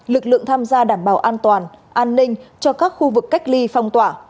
lực lượng tham gia đảm bảo an toàn an ninh cho các khu vực cách ly phong tỏa